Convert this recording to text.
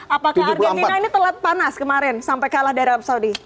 apakah argentina ini telat panas kemarin sampai kalah dari arab saudi